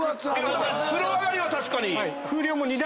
風呂上がりは確かに。